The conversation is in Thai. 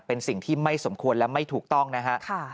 เป็นสิ่งที่ไม่สมควรและไม่ถูกต้องนะฮะ